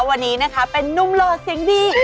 วันนี้นะคะเป็นนุ่มหล่อเสียงดี